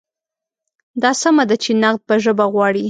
دا سمه ده چې نقد به ژبه غواړي.